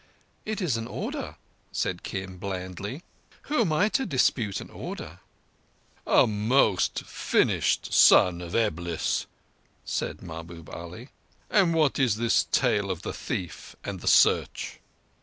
"It is an order," said Kim blandly. "Who am I to dispute an order?" "A most finished Son of Eblis," said Mahbub Ali. "But what is this tale of the thief and the search?"